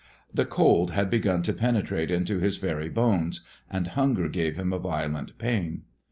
The cold had begun to penetrate into his very bones, and hunger gave him a violent pain.